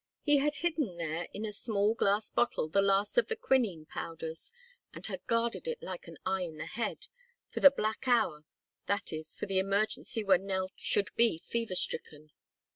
He had hidden there in a small glass bottle the last of the quinine powders and had guarded it like an "eye in the head" for "the black hour," that is, for the emergency when Nell should be fever stricken.